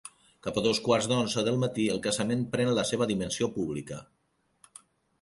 Cap a dos quarts d’onze del matí, el Casament pren la seva dimensió pública.